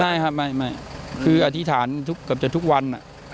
ไม่ครับไม่คืออธิษฐานกับจะทุกวันอ่ะ